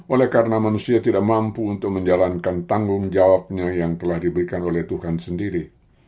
oleh karena manusia tidak mampu untuk menjalankan tanggung jawabnya yang telah diberikan oleh tuhan sendiri